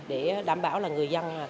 để đảm bảo là người dân